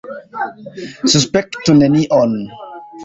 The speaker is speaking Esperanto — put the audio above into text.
Suspektu nenion.